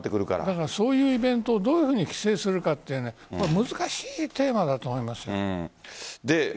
だからそういうイベントをどう規制するかって難しいテーマだと思います。